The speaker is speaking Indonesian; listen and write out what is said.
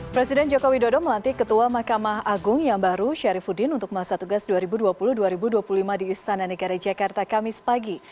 presiden jokowi dodo melantik ketua mahkamah agung yang baru syarifudin untuk masa tugas dua ribu dua puluh dua ribu dua puluh lima di istana negara jakarta kamis pagi